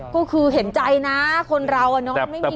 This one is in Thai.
ก็คือเห็นใจนะคนเราอ่ะเนอะไม่มีเงินแต่